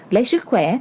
lấy sức khỏe